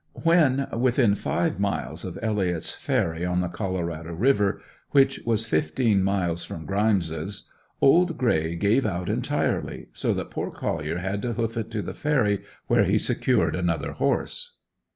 When within five miles of Elliott's ferry on the Colorado river, which was fifteen miles from Grimes' old gray gave out entirely, so that poor Collier had to hoof it to the ferry where he secured another horse.